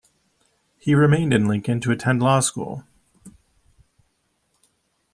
He remained in Lincoln to attend law school.